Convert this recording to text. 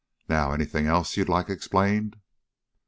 Now, anything else you'd like explained?"